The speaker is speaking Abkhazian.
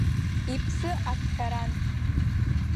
Иԥсы аҿҳәаран!